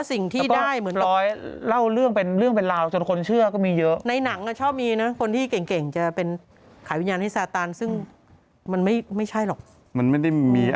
สิ่งยิ่งทำเป็นครอบครัวของคุณเองคุณพ่อคุณแม่ธุ์ทุกใจด้วย